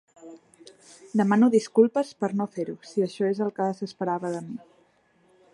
Demano disculpes per no fer-ho, si això és el que s'esperava de mi!